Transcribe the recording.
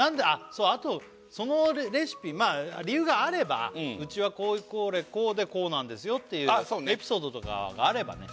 そうあとそのレシピ理由があればうちはこれこれこうでこうなんですよっていうエピソードとかがあればね